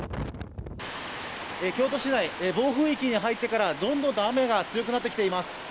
京都市内、暴風域に入ってからどんどんと雨が強くなってきています。